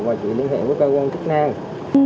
mà chị liên hệ với cơ quan chức năng